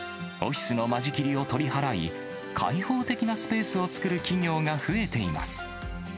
オフィスの間仕切りを取り払い、開放的なスペースを作る企業が増えています。